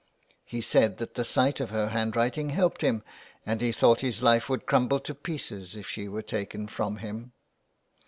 He said that the sight of her handwriting helped him, and he thought his life would crumble to pieces if she were taken from him.